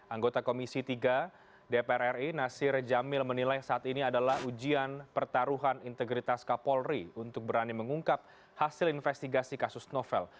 anggota komisi tiga dpr ri nasir jamil menilai saat ini adalah ujian pertaruhan integritas kapolri untuk berani mengungkap hasil investigasi kasus novel